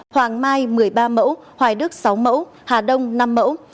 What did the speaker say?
hoàng mai một mươi ba mẫu hoài đức sáu mẫu hà đông năm mẫu